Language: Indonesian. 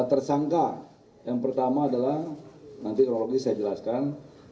tersangka yang pertama adalah nanti kronologi saya jelaskan